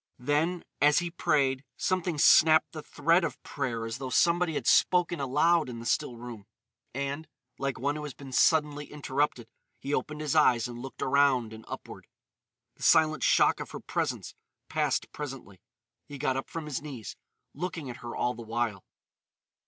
Then, as he prayed, something snapped the thread of prayer as though somebody had spoken aloud in the still room; and, like one who has been suddenly interrupted, he opened his eyes and looked around and upward. The silent shock of her presence passed presently. He got up from his knees, looking at her all the while.